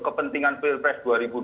kepentingan pilpres dua ribu dua puluh